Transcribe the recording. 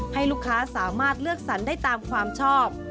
ให้ลูกค้าสามารถเลือกสรรได้ตามความชอบ